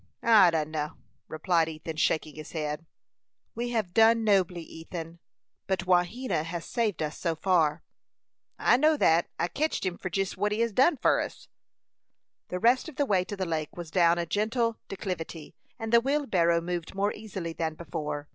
"I dunno," replied Ethan, shaking his head. "You have done nobly, Ethan; but Wahena has saved us so far." "I know that; I ketched him for jest what he has did for us." The rest of the way to the lake was down a gentle declivity, and the wheelbarrow moved more easily than before.